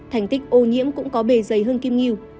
thành tích ô nhiễm cũng có bề dày hương kim nghiêu